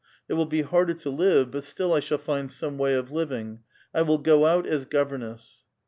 It will be harder to live, hut still I shall find some way of living ; I will go out as governess."